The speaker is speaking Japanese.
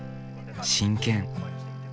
真剣。